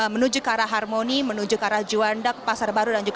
menuju ke arah harmoni menuju ke arah juanda ke pasar baru